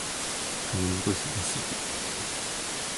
熊本市西区